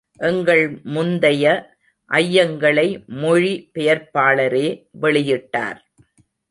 எங்கள் முந்தைய ஐயங்களை, மொழி பெயர்ப்பாளரே வெளியிட்டார்.